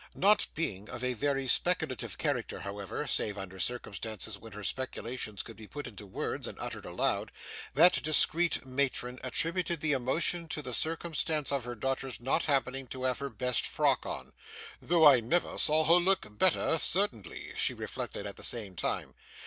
Not being of a very speculative character, however, save under circumstances when her speculations could be put into words and uttered aloud, that discreet matron attributed the emotion to the circumstance of her daughter's not happening to have her best frock on: 'though I never saw her look better, certainly,' she reflected at the same time.